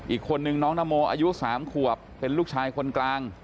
อีกคนนึงน้องนโมอายุ๓ขวบเป็นลูกชายคนกลาง